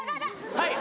はい！